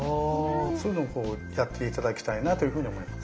そういうのをやって頂きたいなというふうに思います。